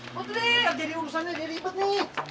putri jadi urusannya dia ribet nih